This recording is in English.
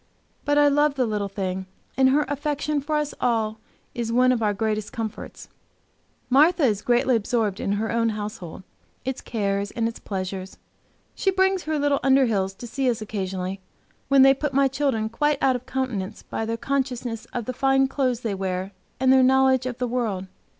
But I love the little thing, and her affection for us all is one of our greatest comforts. Martha is greatly absorbed in her own household, its cares and its pleasures. She brings her little Underhills to see us occasionally, when they put my children quite out of countenance by their consciousness of the fine clothes they wear, and their knowledge of the world.